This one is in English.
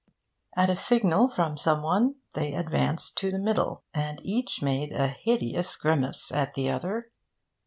At a signal from some one, they advanced to the middle; and each made a hideous grimace at the other.